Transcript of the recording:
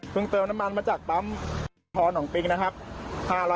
เพิ่งเติมน้ำมันมาจากปั๊มของปริงนะครับ